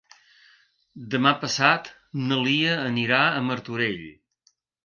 Demà passat na Lia anirà a Martorell.